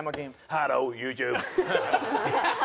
ハローＹｏｕＴｕｂｅ！